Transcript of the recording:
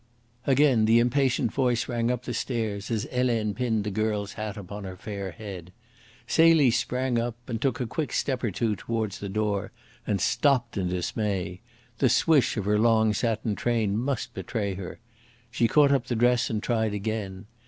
Again the impatient voice rang up the stairs, as Helene pinned the girl's hat upon her fair head. Celie sprang up, took a quick step or two towards the door, and stopped in dismay. The swish of her long satin train must betray her. She caught up the dress and tried again.